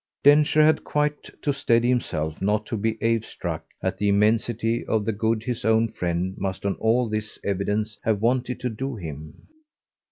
Densher had quite to steady himself not to be awestruck at the immensity of the good his own friend must on all this evidence have wanted to do him.